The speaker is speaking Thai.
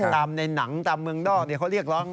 ตามในหนังตามเมืองดอกเนี่ยเค้าเรียกนึง